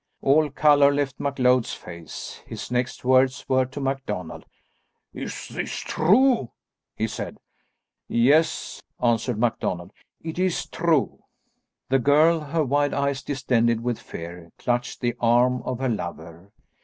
All colour left MacLeod's face. His next words were to MacDonald. "Is this true?" he said. "Yes," answered MacDonald, "it is true." The girl, her wide eyes distended with fear, clutched the arm of her lover.